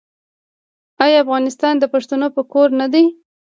آیا افغانستان د پښتنو کور نه دی؟